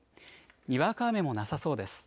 にわか雨もなさそうです。